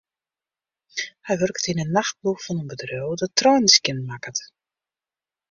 Hy wurket yn 'e nachtploech fan in bedriuw dat treinen skjinmakket.